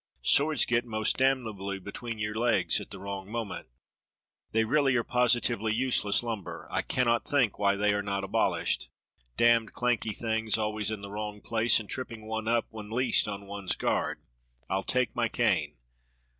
Swords get most damnably between your legs at the wrong mo ment. They really are positively useless lumber. I cannot think why they are not abolished. Damned clanky things, always in the wrong place, and tripping one up when least on one's guard. I'll take my cane.